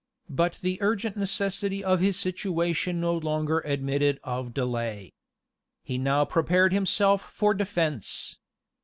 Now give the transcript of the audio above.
But the urgent necessity of his situation no longer admitted of delay. He now prepared himself for defence.